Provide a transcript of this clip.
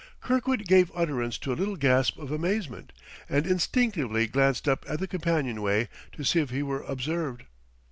Kirkwood gave utterance to a little gasp of amazement, and instinctively glanced up at the companionway, to see if he were observed.